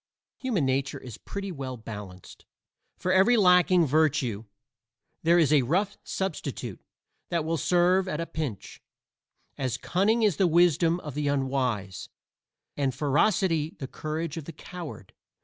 Human nature is pretty well balanced; for every lacking virtue there is a rough substitute that will serve at a pinch as cunning is the wisdom of the unwise, and ferocity the courage of the coward.